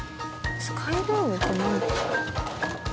スカイルームって何。